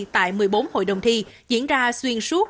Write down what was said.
tại một mươi bốn hội đồng thi diễn ra xuyên suốt